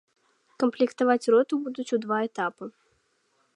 Камплектаваць роту будуць у два этапы.